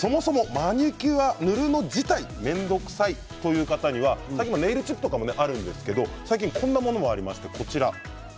そもそもマニキュアを塗ること自体面倒くさいという方にはネイルチップとかもあるんですが最近はこんなものもあります。